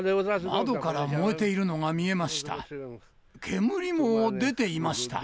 窓から燃えているのが見えました。